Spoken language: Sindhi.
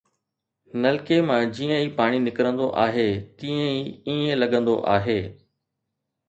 نلڪي مان جيئن ئي پاڻي نڪرندو آهي، تيئن ئي ائين لڳندو آهي